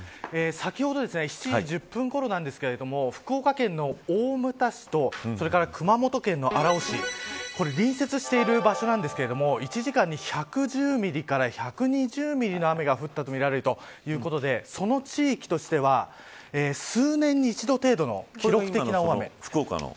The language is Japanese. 先ほど７時１０分ごろなんですけど福岡県の大牟田市とそれから熊本県の荒尾市これ隣接してる場所なんですけど１時間で１１０ミリから１２０ミリの雨が降ったとみられるということでその地域としては数年に一度程度の記録的な大雨。